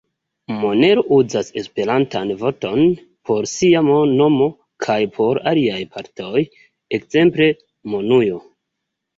Monero uzas esperantan vorton por sia nomo kaj por aliaj partoj, ekzemple monujo.